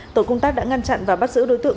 tổ công tác đã ngăn chặn và bắt giữ đối tượng